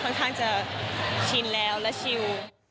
ค่อนข้างจะชินแล้วและชิว